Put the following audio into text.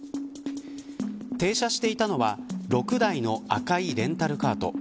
停車していたのは６台の赤いレンタルカート。